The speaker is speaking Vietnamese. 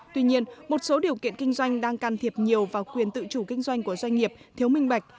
tuy nhiên một số điều kiện kinh doanh đang can thiệp nhiều vào quyền tự chủ kinh doanh của doanh nghiệp thiếu minh bạch